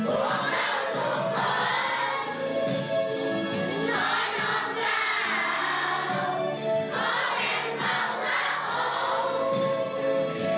พวกเราคงใจจะเป็นคนที่ต้องแบบชาโฮ